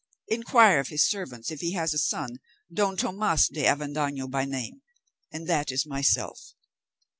Inquire of his servants if he has a son, Don Tomas de Avendaño by name, and that is myself.